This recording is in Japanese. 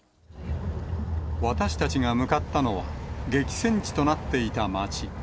私たちが向かったのは、激戦地となっていた街。